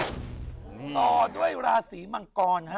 ต่อด้วยราศีมังกรฮะ